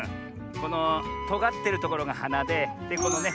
このとがってるところがはなでこのね